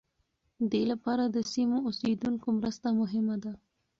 دې لپاره د سیمو اوسېدونکو مرسته مهمه ده.